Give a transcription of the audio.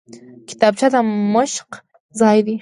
کتابچه د مشق ځای دی